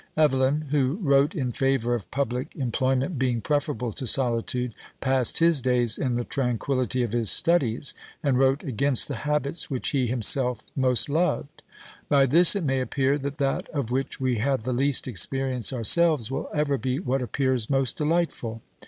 Evelyn, who wrote in favour of public employment being preferable to solitude, passed his days in the tranquillity of his studies, and wrote against the habits which he himself most loved. By this it may appear, that that of which we have the least experience ourselves, will ever be what appears most delightful!